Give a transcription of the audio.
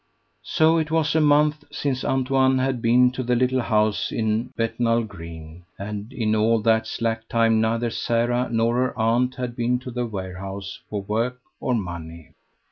So it was a month since Antoine had been to the little house in Bethnal Green and in all that slack time neither Sara nor her aunt had been to the warehouse for work or money.